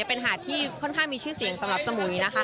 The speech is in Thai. เป็นหาดที่ค่อนข้างมีชื่อเสียงสำหรับสมุยนะคะ